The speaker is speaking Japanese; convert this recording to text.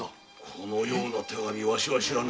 このような手紙わしは知らぬ。